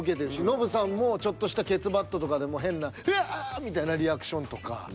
ノブさんもちょっとしたケツバットとかでも変な「うわぁ！」みたいなリアクションとか。